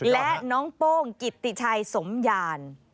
และน้องโป้งกิตติชัยสมยาน